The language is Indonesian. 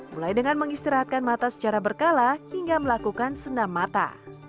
mulai dengan mengistirahatkan mata secara berkala hingga melakukan senam mata